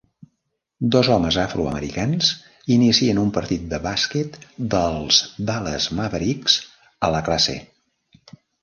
Dos homes afroamericans inicien un partit de bàsquet dels Dallas Mavericks a la classe.